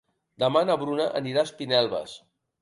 Demà na Bruna anirà a Espinelves.